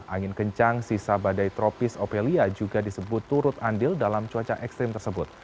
angin kencang sisa badai tropis opelia juga disebut turut andil dalam cuaca ekstrim tersebut